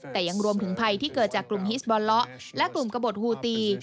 แต่ยังรวมถึงภัยที่เกิดจากกลุ่มฮิสบอลเลาะและกลุ่มกระบดฮูตี